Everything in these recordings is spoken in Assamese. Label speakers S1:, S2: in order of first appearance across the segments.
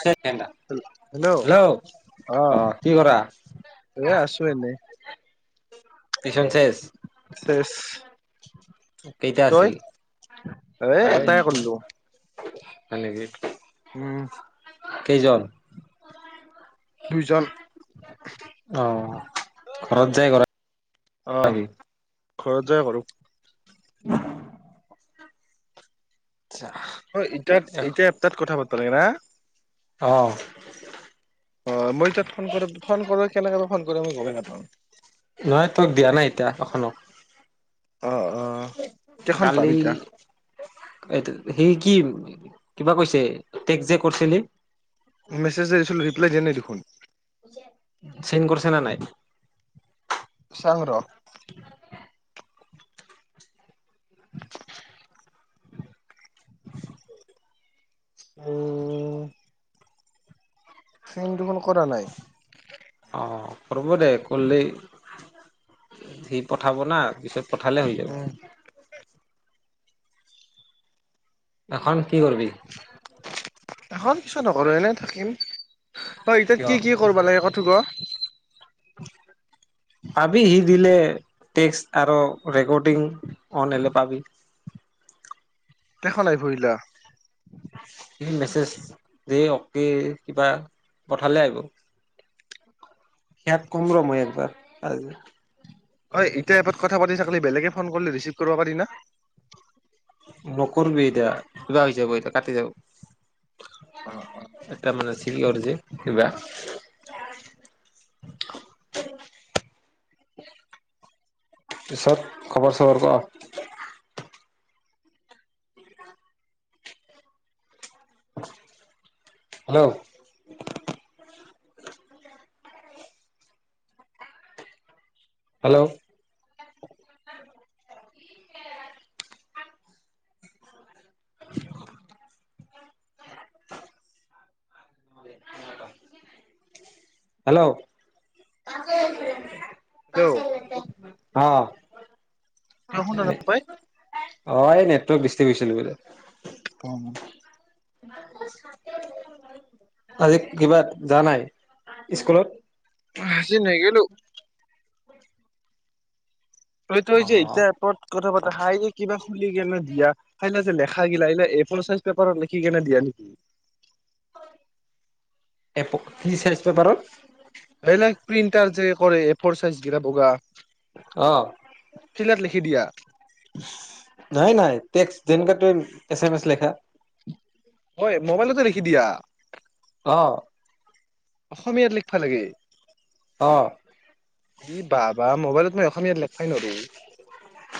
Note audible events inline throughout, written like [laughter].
S1: হেল্ল'
S2: হেল্ল'
S1: অ
S2: আহ
S1: কি কৰা
S2: এ আছো এনেই।
S1: ভিষন শেষ
S2: চেচ
S1: [unintelligible] কেইতা
S2: তই
S1: আছিল?
S2: এ
S1: হয়
S2: এটাই কৰিলো
S1: নেকি?
S2: উম।
S1: কেইজন
S2: দুইজন
S1: অঁ ঘৰত যায় ঘৰত।
S2: আহ ঘৰত যাই কৰু
S1: উ [inaudible]
S2: হয় ইাত এতিয়া তাত কথা পাত। পালি না
S1: অ
S2: অ মই তাত ফোন কৰো ফোন কৰো কেনেকে ফোন কৰ মই গমে নাপাওঁ।
S1: তক দিয়া নাই এতিয়া এখনক
S2: অ অ কেইখন পাম
S1: কালি
S2: এতিয়া
S1: এইটো সেই কি কিবা কৈছে টেক যে কৰিছিলি।
S2: মেছেজযে দিছিলো ৰিপ্লাই দিয়া নাই দেখোন। ফোন
S1: চিন কৰিছে না নাই?
S2: চাং ৰ। উহ ফোন দেখোন কৰা নাই।
S1: অ কৰব দে কৰলেই, সি পঠাব না পিছত পঠালে হৈ
S2: উম
S1: যাব। এখন কি কৰবি?
S2: এখন পিছত নকৰো, এনে থাকিম। আ ইতাত
S1: কিয়
S2: কি কি কৰবা লাগে কথ ক?
S1: পাবি সি দিলে, টেক্স আৰু ৰেকৰ্ডিং অন হলে পাবি।
S2: দেখা নাই ফুৰিলা
S1: এ মেছেজ, এ অকে কিবা পঠালে আহিব। ইয়াক কম ৰ মই একবাৰ, কা
S2: হয় এতিয়া এপত কথা পাতি থাকিলি বেলেগে ফোন কৰিলি ৰিচিভ কৰিবা পাৰি না?
S1: নকৰবি এতিয়া কিবা হৈ যাব এতিয়া, কাটি যাব। এতিয়া মানে আছ কি কৰিছে কিবা। পিছত খবৰ চবৰ ক হেল্ল' হেল্ল' [unintelligible] হেল্ল' [unintelligible]
S2: হেল্ল'
S1: পাছফাইলতে অঁ।
S2: তখন নাপায়
S1: অ, এ নে তই বষ্টি গৈছিলি বোলে।
S2: অ মই
S1: আজি কিবা যাৱা নাই, স্কুলত?
S2: আজি নেগেলো। তইটো
S1: অ
S2: যে এইতা এপত কথা পাতা, হাই যে কিবা শুনি কেনে দিয়া সেই যে লেখা গিলা, এগিলা এ ফৰ চাইজ পেপাৰত লিখি কেনে দিয়া নেকি?
S1: কি চাইজ পেপাৰত?
S2: এইবিলাক প্ৰিন্টাৰ যে এ ফৰ চাইজ গিৰা বগা
S1: অ
S2: ফিল্ডত লিখি দিয়া [inaudible]
S1: নাই নাই টেক্স্ট, যেনেকা তুমি এছ এম এছ লেখা।
S2: হয় মোবাইলতে লিখি দিয়া?
S1: অহ।
S2: অসমীয়াত লিখবা লাগে?
S1: অ
S2: ই বাবা মোবাইলত অসম লোই ন [unintelligible]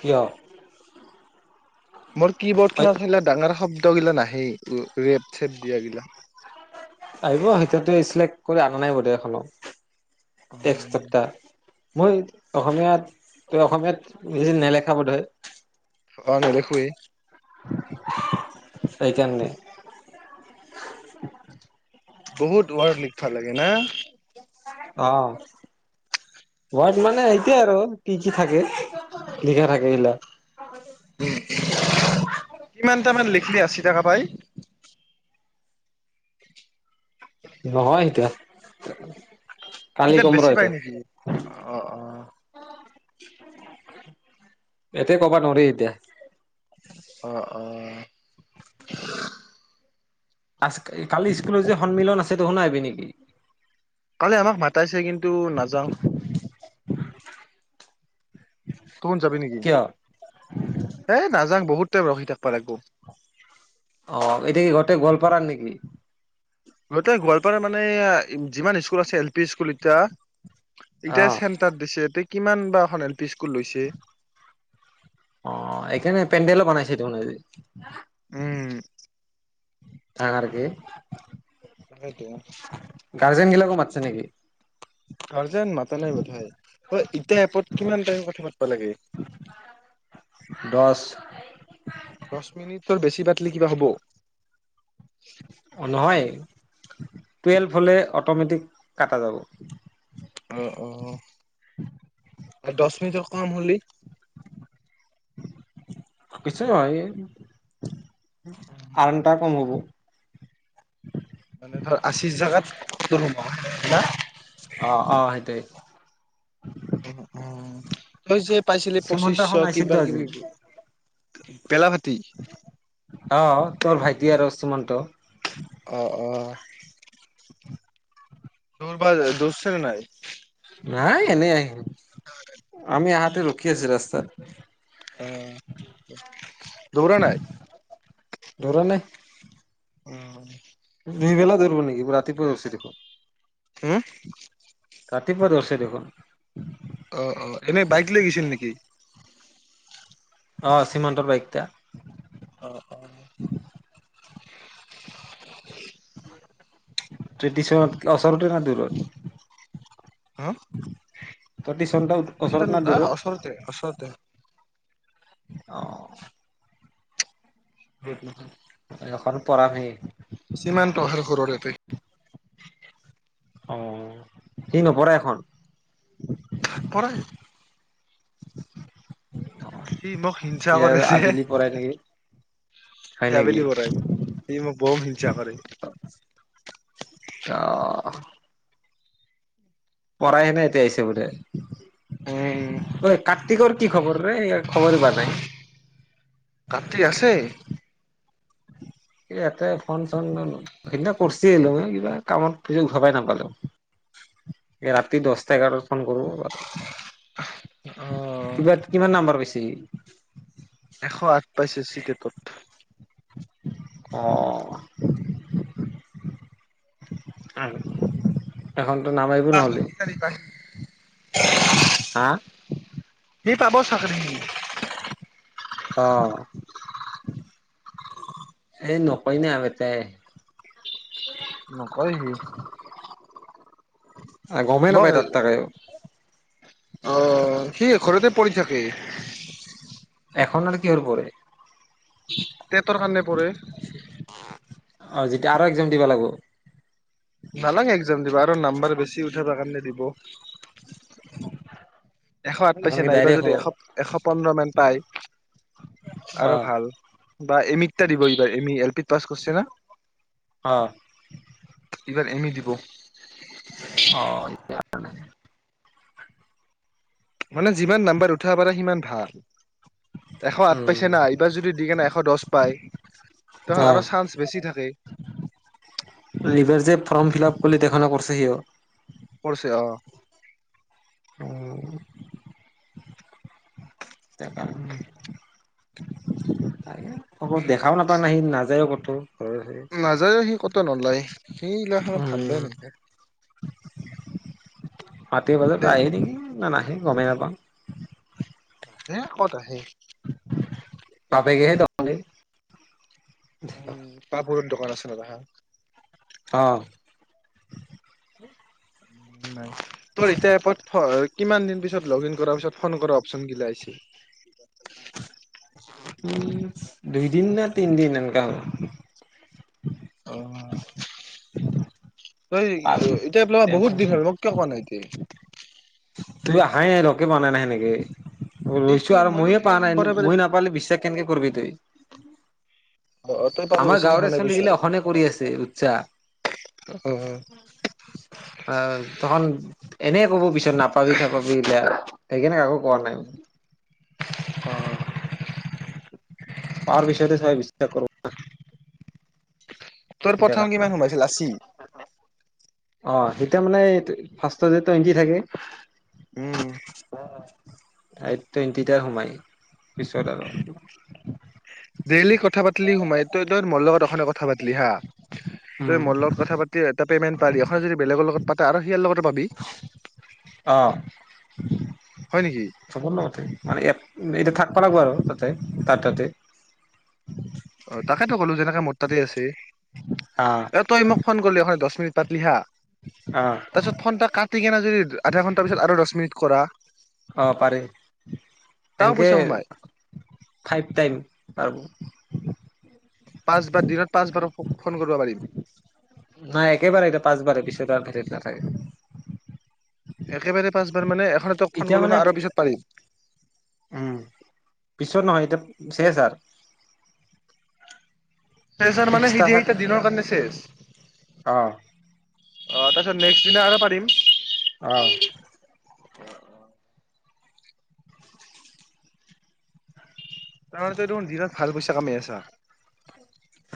S1: কিয়
S2: মোৰ কি বৰ্ড খতা ডাঙৰ শব্দ গিলা নাহেই। ৰেপ চেপ দিয়া গিলা
S1: আহিব এতিয়াতো চিলেক্ট কৰি অনা নাই বদখন এক সপপ্তাহ মই অসমীয়াত ত অসমীয়াত বেছি নেলেখা বোধয়
S2: অ নেদেখোয়েই
S1: সেইকাৰণে [unintelligible]
S2: বহুত ৰয়েলি ভাল লাগে না।
S1: অ ঘট মানে সেইতি আৰু কি কি থাকে, লিখা থাকে এইিলাক
S2: কিমানটামান লিখিলি আশী টকা পাই।
S1: নহয় এতিয়া কালি
S2: তিতা
S1: কম ৰ
S2: বেছি পায়
S1: এতিয়া
S2: নেকি? অ অ
S1: এতে কব নৰি এতিয়া।
S2: অ অ
S1: আজ কালি স্কুলৰ যে সন্মিলন আছে দে শুন আহিবি নেকি
S2: কালি আমাক মাতাইছে কিন্তু টো নাযাওঁ তহত যাবি নেকি?
S1: কিয়
S2: এ নাযাওঁ ৰখি থাকিব লাগিব।
S1: অ এতিয়া কি ঘৰটে গোৱলপাৰাৰ নেকি?
S2: গ গোৱালপাৰ মানে যিমান স্কুল আছে এল পি স্কুল এতিয়া ইতিয়া
S1: অ'
S2: চেনটাৰ দিছে এতি কিমান বা খন এল পি স্কুল লৈছে।
S1: অ ', এইকাৰণে পেণ্ডেলো বনাইছে দেখোন আজি।
S2: উম',
S1: আৰ - আৰ কি
S2: তাকেইটো
S1: গাৰ্জেন গিলাকো মাৎসে নেকি?
S2: গাৰ্জেন মাতা নাই বুধই, অই এতিয়া এপত কিমান টাইম কথা পাতব লাগে?
S1: দহ
S2: দস মিনিটৰ বেছি পাত তিলি কিবা হ'ব?
S1: অ', নহয়। টুৱেলভ হ'লে অট'মেটিক কাটা যাব।
S2: অ', - অ', আৰু দছ মিনিটৰ কাম হলি?
S1: কিছু হয়। আৰামটা কম হব।
S2: ধ আশী জাগাত দৰুমা
S1: অ', - অ ', সেইটোৱেই
S2: উ', - উম', তই যে পাইছিলি
S1: শ্ৰীমন্ত
S2: পঁচিছশ
S1: খন আহিছিল
S2: কিবা
S1: তো
S2: কিবি। পেলা ফ
S1: অহ ', তৰ ভাইটি আৰু শুমন্ত
S2: অহ ', - অহ',। দৰব দূৰছে ন নাই।
S1: নাই এনেই আহে। আমি আহাতে ৰখি আছো ৰাস্তাত। নি [inaudible]
S2: অ', দৌৰা নাই?
S1: দৌৰা নাই।
S2: উম ',
S1: দুইবেলা ধৰিব নেকি পুৰা।
S2: হম ',
S1: ৰাতিপুৱা দৌৰছে দেখোন।
S2: অ', - অ', এনেই বাইক লৈ গৈছিল নেকি?
S1: অ', চিমানন্তৰ বাইকটা
S2: অ', - অ',
S1: ট্ৰদিশন অচৰতে ন দূৰত?
S2: হাহ ',
S1: দি চ ওচৰত ন দূৰত।
S2: ওচৰতে
S1: অ'।
S2: উম! উুহু।
S1: এখন পঢ়ালেই।
S2: সীমান্তহাতৰ ঘৰলৈকে।
S1: অ, সি নপৰে এখন
S2: পৰা সি মোক হিংসা
S1: সি
S2: কৰিছে, যে
S1: আবেলি পঢ়াই নেকি হয়
S2: সি
S1: নেকি
S2: আবেলি কৰাই, সি মোক বৰ হিংসা কৰে।
S1: অ [unintelligible] নৰ এতিয়া আহিছে বোলে,
S2: উম
S1: ঐ কাৰ্তিকৰ কি খবৰ‌ ৰে খবৰ ববৰ নাই।
S2: কাটি আছে
S1: ইয়াতে ফোন চোন কৰিছিলোঁ, কিবা কামত ভবাই নাপালোঁ, ৰাতি দহটা এঘাৰত ফোন কৰোঁ বাৰু
S2: অ
S1: কিবা কিমান নাম্বাৰ পাইছেহি?
S2: এশ আঠ পাইছেহি। [unintelligible]
S1: অ আৰু এখনতো নামাৰিব নহল। হা
S2: [unintelligible] সি পাব চাকৰি
S1: অ, এই নকৈ না আগতে।
S2: নকয়হি।
S1: গমেই নাপায়, তাত থাকিও।
S2: অ, সি ঘৰতে পৰি থাকে।
S1: এখন আৰু কিহৰ পৰে
S2: টেটৰ কাৰে পঢ়ে
S1: অ, যেতিয়া আৰু এক্সাম দিব লাগিব
S2: নালাগে এক্সাম দিব আৰু নাম্বাৰ বেছি উঠাব কাৰণে দিলেও এশ আঠ
S1: এখন
S2: পাইছে
S1: কি
S2: নাই এইবাৰ
S1: ডাইৰেক্ট
S2: যদি
S1: হ'ব
S2: এশ এশ পোন্ধৰ মান পায়,
S1: অ
S2: আৰু ভাল বা এমিৰটা দিব এইবাৰ এ মি, এল পি পছ কৰছে না?
S1: অ'হ
S2: এইবাৰ এম‌ দিব।
S1: অ'।
S2: মানে যিমান নাম্বাৰ উঠাব পাৰে, সিমান ভাল। এশ আঠ
S1: উম
S2: পাইছে না, এইবাৰ যদি দি কেনে এশ দহ পায়,
S1: অ
S2: আৰু চান্স বেছি থাকে।
S1: এইবাৰ যে ফৰ্ম ফিল আপ কৰিলি [unintelligible]
S2: কৈছে অ'।
S1: উম। [unintelligible] তাক দেখাও নাপায়, ন সি, নাযায়ও ক'তো। ঘৰৰ হেৰি
S2: নাযায়ো সি ক'তো নোলায়, ‌ সেই গিলাখনত ঠাণ্ডাই [unintelligible]
S1: মাটিৰ বজাৰ
S2: দে
S1: আহ
S2: ক'ত
S1: নেকি না নাহে? গমেই নাপাওঁ।
S2: কত আহে।
S1: পাবিগেহে তঁহতি‌
S2: উম [unintelligible] কিমান আছিল। [unintelligible]
S1: অঁ।
S2: নাই তোৰ এতিয়া এপত কিমান দিন পিছত লগ ইন কৰাৰ পিছত ফোন কৰা অপচন গিলা আহিছে।
S1: উম
S2: অ
S1: দুইদিন না তিনদিন এনেুৱা। হয়।
S2: অঁ। তই
S1: হ'ল
S2: এতিয়াোৱা বহুত
S1: টেনচন
S2: দিশ হয় মোক কিয় কোৱা নাই এতিয়া'
S1: তইতো হাই নাই লগে পোৱা নাই সেনেকে।
S2: এই কি
S1: ৰৈছো আৰু
S2: মই দেখোন
S1: ময়ে
S2: সেই
S1: পোৱা নাই
S2: সম্পদে
S1: ময় নাপালে বিশ্বাস কেনেকে কৰিববি তই।
S2: অ অ তই পাব
S1: আমাৰ
S2: বেছি
S1: গাঁৱৰে
S2: দেখা নাই
S1: চলি
S2: বুইছা
S1: গিলা অখনে কৰি আছে
S2: অ
S1: উৰুচ্চাহ আহ ত। এনে ক'ব বিচাৰাৰে। ত নাপাবি থাপাবিলাক সেইকাৰনে কাকো কোৱা নাই ম পাৰ বিষয়তে চবাই বিশ্বাস কৰ
S2: তোৰ প্ৰথম কিমান সোমাইছিল আশি
S1: অ এতিয়া মানে ফাৰ্ষ্ট যে টুৱেণ্টি থাকে
S2: উম
S1: টুৱেণ্টি সোমাই পিছত আৰ
S2: ডেইলি কথা পাতিলি সোমাই এইটো মোৰ লগত তখনে কথা পাতিলি হা তই
S1: উম
S2: মলত কথা পাতি এটা পেমেণ্ট পালি এ যদি বেলেগৰ লগত পাতে আৰু সিয়াৰ লগতে পাবি
S1: আহ।
S2: হয় নেকি
S1: চবত নঠ মানে এতিয়া থাকিব লাগিব আৰু কথাই টাতে
S2: অ তাকেতো ক'লো যেনেকে মোৰ তাতেই আছে
S1: অ
S2: এ তই মোক ফোন কৰিলি এখ দহ মিনিট তাত লিহা
S1: অ
S2: তাৰপিছত ফনটা কাটি কে ন যদি আধা ঘণ্টাৰ পিছত আৰু দহ মিনিট কৰা
S1: অঁ পাৰি
S2: তাও পইচা সোমাই
S1: এনেকৈ ফাইভ টাইম পাৰব
S2: পাঁচবাৰ দিনত পাঁচবাৰ ফোন কৰিব পাৰিম
S1: নাই একেবাৰে এতিয়া পাঁচবাৰে পিছত ভেটত নাথাকে
S2: একেবাৰে পাঁচবাৰ মানে তোক ফোন
S1: এতিয়া
S2: কলো
S1: মানে
S2: ন আৰু পিছত পাৰিম
S1: উম পিছত নহয় এতিয়া শেষ আৰু
S2: চেচৰ মানে সি সেইটা দিনৰ কাৰণে চেষ
S1: অঁ!
S2: অঁ তাৰ নেক্সট দিনা আৰু পাৰিম
S1: আহঁ
S2: [unintelligible] ভাল পইচা কামি আছা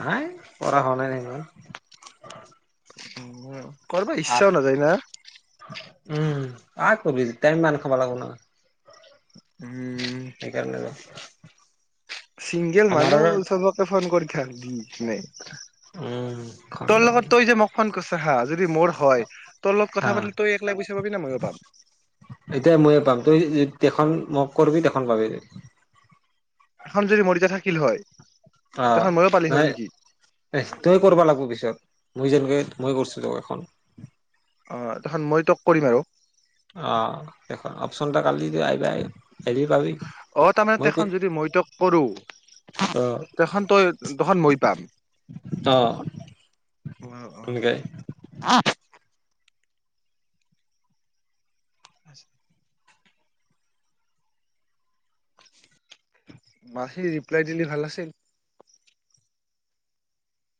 S1: হাই কৰা হ নাই মৰ
S2: উম। কৰ ইচ্ছাও নাযায় না
S1: আহ কৰিবি তাই মান খাব লাগিব না
S2: [unintelligible]
S1: সেই কাৰণে নেযায়
S2: চিংগল মানুহ চবকে ফোন কৰি ঢাকলি
S1: উম
S2: তোৰ
S1: খণ্ডান
S2: লগত তই যে মক ফোন কৰছি সাল যদি মোৰ হয় তোৰ লগত
S1: অ
S2: কথা পাতি তই এককলাই পুইচা পাবি না ময়ো পাম
S1: মক কৰবি তেখন পাবি তই।
S2: এখন যদি মৰি যা থাকিল হয়
S1: অ
S2: তখন ময়ো পালি হয়
S1: নহয়
S2: নেকি
S1: এ তই কৰিবা লাগিব পিছত মই যেনকে মই কৰিছোঁ এখন
S2: অ দেখোন মই তোক কৰিম আৰু
S1: আহ দেইখন অপচোন কালি আহিবা আহ
S2: আহ তাৰমানে তেখন যদি মই তোক কৰো
S1: অ
S2: তেখন তই তখন মই পাম।
S1: অ
S2: আহ
S1: এনেকে
S2: আহ [unintelligible] মাখি ৰিপ্লাই দিলে ভাল আছিল।